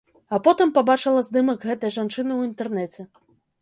А потым пабачыла здымак гэтай жанчыны ў інтэрнэце.